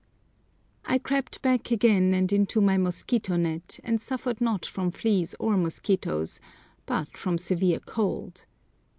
I crept back again and into my mosquito net, and suffered not from fleas or mosquitoes, but from severe cold.